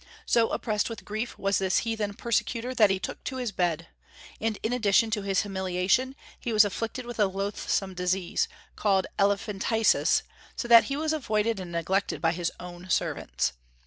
So oppressed with grief was this heathen persecutor that he took to his bed; and in addition to his humiliation he was afflicted with a loathsome disease, called elephantiasis, so that he was avoided and neglected by his own servants.